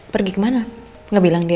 pergi kemana ga bilang dia